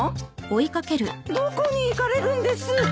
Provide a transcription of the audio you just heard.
どこに行かれるんです？